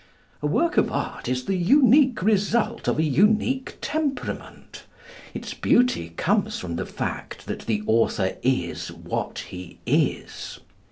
A work of art is the unique result of a unique temperament. Its beauty comes from the fact that the author is what he is.